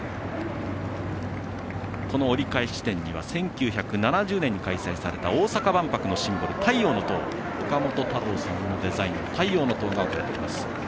この折り返し地点には１９７２年に開催された大阪万博のシンボル・太陽の塔岡本太郎さんのデザインの太陽の塔が置かれています。